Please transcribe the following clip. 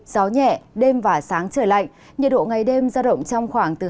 gió nhẹ đêm và sáng trời lạnh nhiệt độ ngày đêm giao động trong khoảng hai mươi hai mươi tám độ